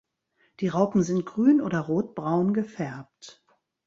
Die Raupen sind grün oder rotbraun gefärbt.